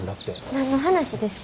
何の話ですか？